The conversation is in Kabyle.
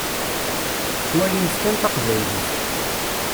Tettwalimt kan taqbaylit.